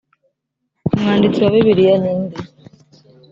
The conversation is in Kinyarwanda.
umwanditsi wa bibiliya ni nde?